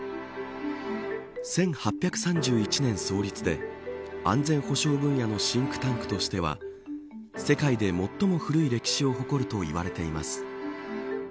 １８３１年創立で安全保障分野のシンクタンクとしては世界で最も古い歴史を誇ると言われています。